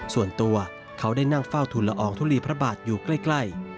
ส่วนตัวเขาได้นั่งเฝ้าทุนละอองทุลีพระบาทอยู่ใกล้